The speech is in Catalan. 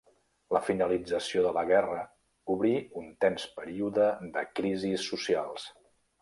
La finalització de la guerra obrí un tens període de crisis socials.